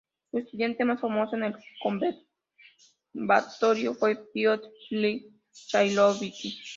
Su estudiante más famoso en el conservatorio fue Piotr Ilich Chaikovski.